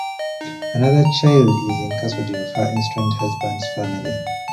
Another child is in the custody of her estranged husband's family.